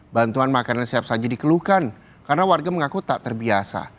bantuan makanan siap saji dikeluhkan karena warga mengaku tak terbiasa